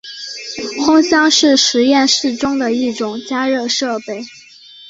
烘箱是实验室中的一种加热设备。